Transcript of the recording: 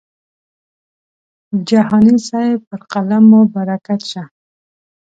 جهاني صاحب پر قلم مو برکت شه.